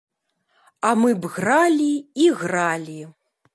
А мы б гралі і гралі.